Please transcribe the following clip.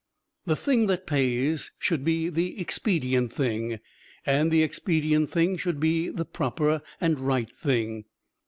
The thing that pays should be the expedient thing, and the expedient thing should be the proper and right thing.